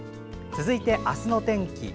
続いてあすの天気。